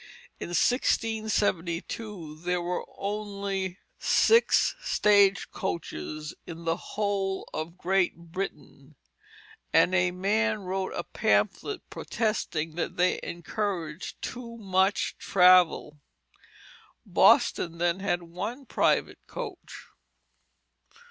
In 1672 there were only six stage coaches in the whole of Great Britain; and a man wrote a pamphlet protesting that they encouraged too much travel. Boston then had one private coach.